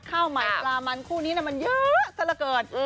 ข้าวใหม่ปลามันคู่นี้มันเยอะซะละเกิน